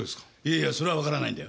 いやそれはわからないんだよ。